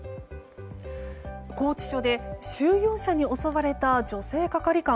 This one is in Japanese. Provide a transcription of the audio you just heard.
拘置所で収容者に襲われた女性係官。